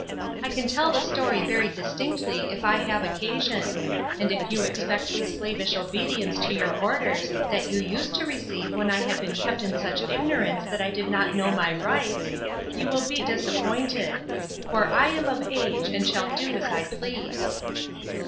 I can tell the story very distinctly if I have occasion ; and if you expect the slavish obedience to your orders that you used to receive when I had been kept in such ignorance 208 A PLAIN UNDERSTANDING. that I did not know my rights, you will be dis appointed ; for I am of age, and shall do as I please."